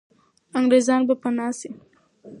انګریزان به پنا سي.